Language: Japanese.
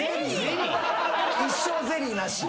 一生ゼリーなし？